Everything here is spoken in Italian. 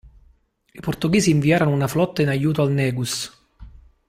I portoghesi inviarono una flotta in aiuto al negus.